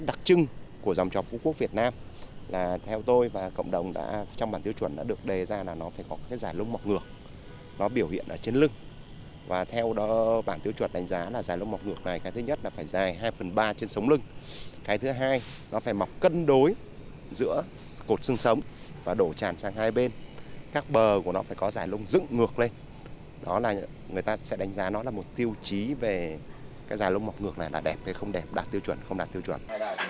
đánh giá nó là một tiêu chí về cái dài lông mọc ngược này là đẹp hay không đẹp đạt tiêu chuẩn không đạt tiêu chuẩn